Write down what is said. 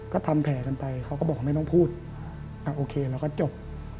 ก็ทำแผลกันไปเขาก็บอกว่าไม่ต้องพูดโอเคเราก็จบ